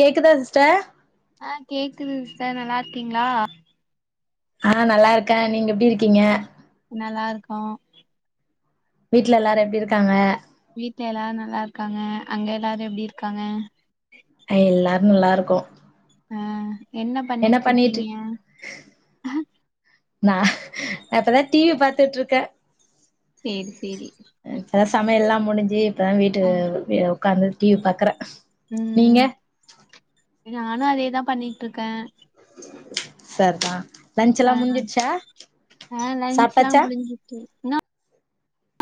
கேக்குதா சிஸ்டர் ஆ கேக்குது சிஸ்டர் நல்லா இருக்கீங்ளா ஆ நல்லா இருக்கன் நீங்க எப்டி இருக்கீங்க நல்லாருக்கோம் வீட்ல எல்லாரும் எப்டி இருக்காங்க வீட்ல எல்லாரும் நல்லா இருக்காங்க அங்க எல்லாரும் எப்டி இருக்காங்க எல்லாரும் நல்லா இருக்கோம் ஆ என்ன பண்ணிட்டு இருக்கீங்க பண்ணிட்ரிக் நா நா இப்பதான் டி வி பாத்துட்டு இருக்கன் சேரி சேரி இப்பதான் சமையல்லா முடிஞ்சு இப்பதான் வீட்டு ஆ உட்காந்து டி வி பாக்குறேன் ம் நானும் அதேதான் பண்ணிட்டு இருக்கேன் சர்தா ஆ ஆ லன்ச்லா சாப்ட்டாச்சா முடிஞ்சிருச்சி னோ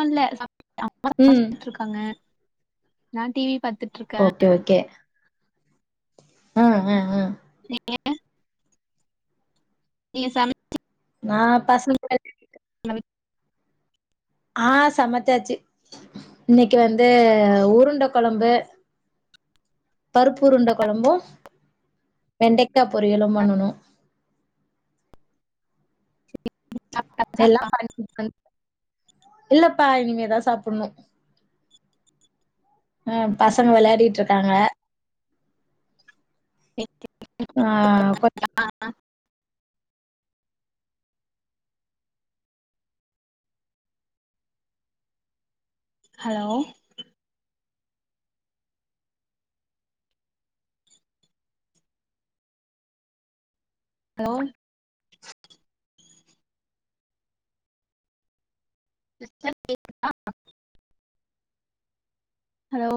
இல்ல சாப் ம் பாங்க நா டி வி பாத்துட் ஓகே ஓகே ஆ அ ஆ [unintelligible] நீங்க சம ஆ பசங்கூட [unintelligible] ஆ சமச்சாச்சி இன்னைக்கி வந்து உருண்ட கொழம்பு பருப்புருண்ட கொழம்பு வெண்டைக்கா பொரியலு பண்ணுணோ எல்லா பண் [unintelligible] இல்லப்பா இனிமேதா சாப்புட்ணு ஆ பசங்க வெளயாடிட்ருக்காங்க [unintelligible] ஆ கொத் ஆ ஆ ஹலோ ஹலோ சிஸ்டர் ஹலோ